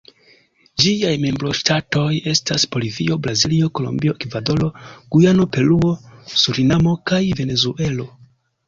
Ĝiaj membroŝtatoj estas Bolivio, Brazilo, Kolombio, Ekvadoro, Gujano, Peruo, Surinamo kaj Venezuelo.